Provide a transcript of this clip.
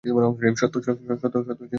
সত্য, থামো!